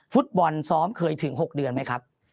ฟุตบอลซ้อมเคยถึง๖เดือนไหมครับ